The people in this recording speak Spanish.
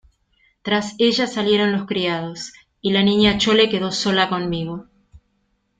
tras ella salieron los criados, y la Niña Chole quedó sola conmigo.